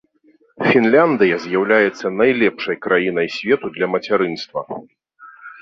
Фінляндыя з'яўляецца найлепшай краінай свету для мацярынства.